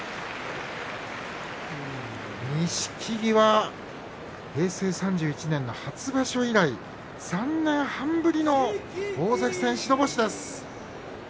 錦木は平成３１年の初場所以来３年半ぶりの大関戦白星です。